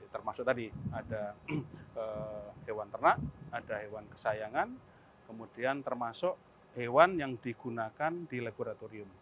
termasuk tadi ada hewan ternak ada hewan kesayangan kemudian termasuk hewan yang digunakan di laboratorium